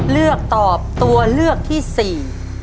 เลือกตอบตัวเลือกที่สี่